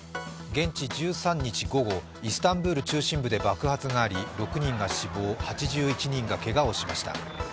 現地１３日午後、イスタンブール中心部で爆発があり６人が死亡、８１人がけがをしました。